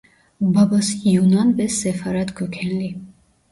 Babası Yunan ve Sefarad kökenli.